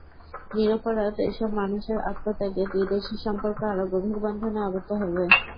নিরপরাধ এসব মানুষের আত্মত্যাগে দুই দেশের সম্পর্ক আরও গভীর বন্ধনে আবদ্ধ হবে।